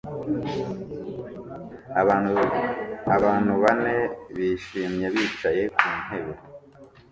Abantu bane bishimye bicaye ku ntebe